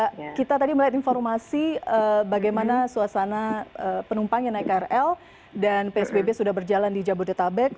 ya kita tadi melihat informasi bagaimana suasana penumpang yang naik krl dan psbb sudah berjalan di jabodetabek